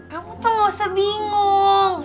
kamu tuh gak usah bingung